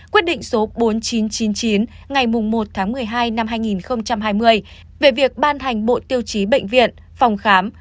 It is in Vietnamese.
quyết định số bốn nghìn chín trăm chín mươi chín ngày một tháng một mươi hai năm hai nghìn hai mươi về việc ban hành bộ tiêu chí bệnh viện phòng khám